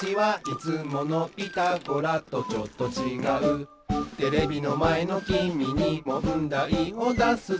「いつもの『ピタゴラ』とちょっとちがう」「テレビのまえのきみにもんだいをだすぞ」